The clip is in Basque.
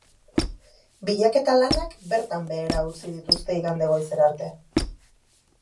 Bilaketa lanak bertan behera utzi dituzte igande goizera arte.